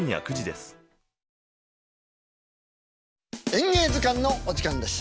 「演芸図鑑」のお時間です。